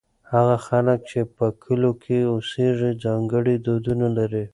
هغه خلک چې په کلو کې اوسېږي ځانګړي دودونه لري.